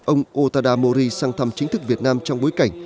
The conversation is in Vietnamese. ông otada mori sang thăm chính thức việt nam trong bối cảnh